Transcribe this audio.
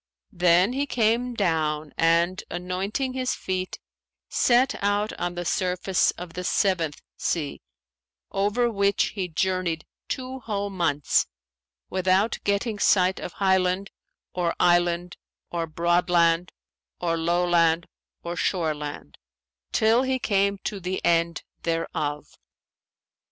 Then he came down and, anointing his feet, set out on the surface of the Seventh Sea, over which he journeyed two whole months, without getting sight of highland or island or broadland or lowland or shoreland, till he came to the end thereof.